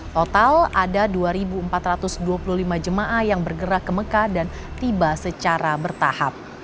total ada dua empat ratus dua puluh lima jemaah yang bergerak ke mekah dan tiba secara bertahap